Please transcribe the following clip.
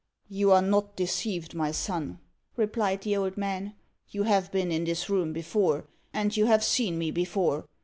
"You are not deceived, my son," replied the old man. "You have been in this room before, and you have seen me before.